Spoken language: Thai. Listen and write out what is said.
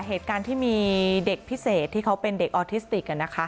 เหตุการณ์ที่มีเด็กพิเศษที่เขาเป็นเด็กออทิสติก